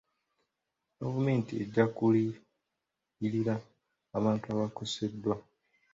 Gavumenti ejja kuliyirira bantu abakoseddwa.